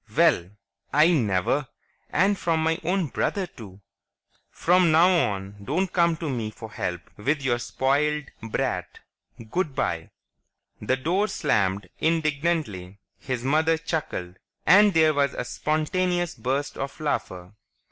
"Well! I never! And from my own brother, too. From now on don't come to me for help with your spoiled brat. Good bye!" The door slammed indignantly, his mother chuckled, and there was a spontaneous burst of laughter.